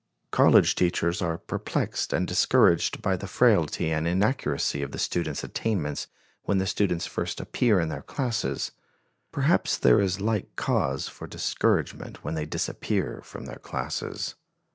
College teachers are perplexed and discouraged by the frailty and inaccuracy of the students' attainments when the students first appear in their classes; perhaps there is like cause for discouragement when they disappear from their classes.